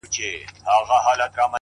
چي دا څه چل و چي دا څه چي ويل څه چي کول